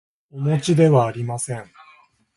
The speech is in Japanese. おもちではありません